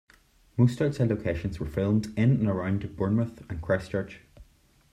Most outside locations were filmed in and around Bournemouth and Christchurch.